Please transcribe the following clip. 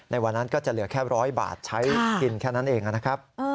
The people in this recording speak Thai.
ในวันนั้นก็จะเหลือแค่๑๐๐บาทใช้กินแค่นั้นเองนะครับ